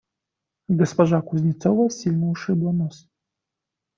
Госпожа Кузнецова сильно ушибла нос.